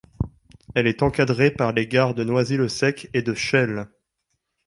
Elle est encadrée par les gares de Noisy-le-Sec et de Chelles.